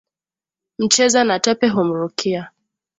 Mcheza na tope humrukia